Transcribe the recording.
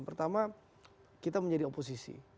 pertama kita menjadi oposisi